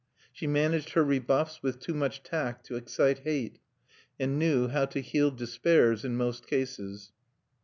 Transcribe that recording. She managed her rebuffs with too much tact to excite hate, and knew how to heal despairs in most cases.